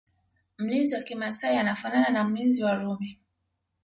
Mlinzi wa kimasai anafanana na mlinzi wa Rumi